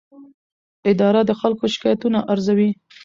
اداره د خلکو شکایتونه ارزوي.